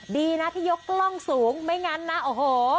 ดีนะที่ยกกล้องสูงไม่งั้นนะโอ้โห